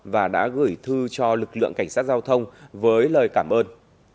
và đã gửi thư cho lực lượng cảnh sát giao thông với lời cảm ơn